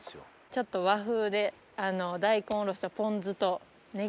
ちょっと和風で大根おろしとポン酢とネギで。